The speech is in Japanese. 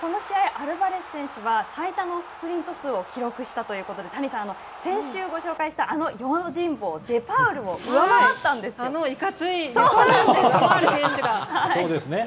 アルバレス選手は最多のスプリント数を記録したということで、谷さん、先週ご紹介したあの用心棒デパウルを上回ったんあのいかつい選手。